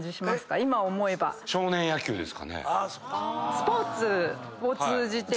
スポーツを通じて学んだ。